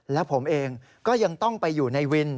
และผมเองก็ยังต้องไปอยู่ในวิน